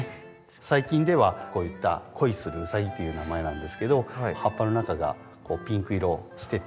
最近ではこういった恋するウサギという名前なんですけど葉っぱの中がこうピンク色してて。